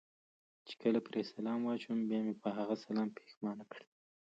چې کله پرې سلام واچوم، بیا مې په هغه سلام پښېمانه کړي.